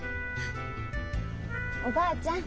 おばあちゃん！